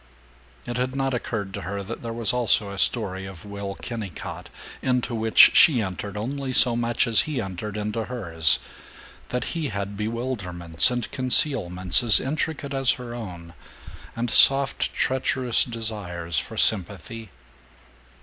It had not occurred to her that there was also a story of Will Kennicott, into which she entered only so much as he entered into hers; that he had bewilderments and concealments as intricate as her own, and soft treacherous desires for sympathy.